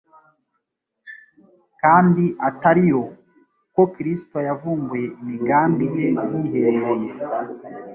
kandi atari yo ko Kristo yavumbuye imigambi ye yiherereye.